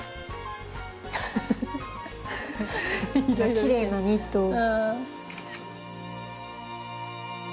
きれいなニットを。